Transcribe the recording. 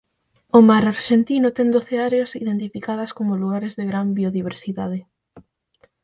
O mar arxentino ten doce áreas identificadas como lugares de gran biodiversidade.